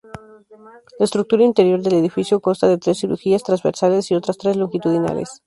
La estructura interior del edificio consta de tres crujías transversales y otras tres longitudinales.